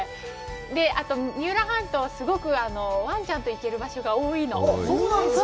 あと、三浦半島、すごく、わんちゃんと行ける場所が多いの。